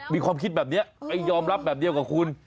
มีความคิดแบบนี้ไปยอมรับแบบเดียวกับคุณ